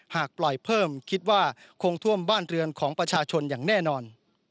หากปล่อยเพิ่มคิดว่าคงท่วมบ้านเรือนของประชาชนอย่างแน่นอน